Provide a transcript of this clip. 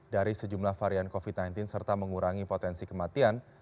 dari sejumlah varian covid sembilan belas serta mengurangi potensi kematian